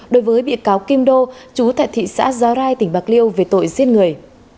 đối với bị cáo kim đô chú tại thị xã giá rai tỉnh bạc liêu về tội giết người